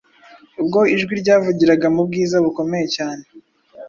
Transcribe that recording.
ubwo ijwi ryavugiraga mu bwiza bukomeye cyane,